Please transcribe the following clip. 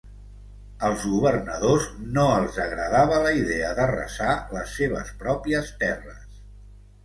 Als governadors no els agradava la idea d'arrasar les seves pròpies terres.